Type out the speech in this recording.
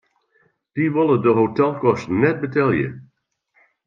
Dy wolle de hotelkosten net betelje.